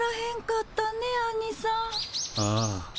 ああ。